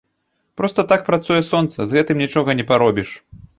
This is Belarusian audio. Проста так працуе сонца, з гэтым нічога не паробіш.